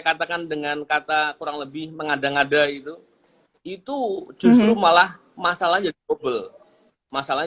katakan dengan kata kurang lebih mengada ngada itu itu justru malah masalah jadi double masalahnya